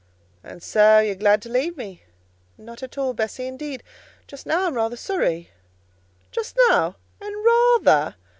"And so you're glad to leave me?" "Not at all, Bessie; indeed, just now I'm rather sorry." "Just now! and rather!